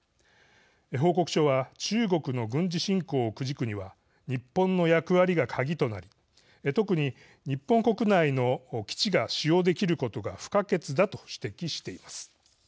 報告書は中国の軍事侵攻をくじくには日本の役割が鍵となり特に、日本国内の基地が使用できることが不可欠だと指摘しています。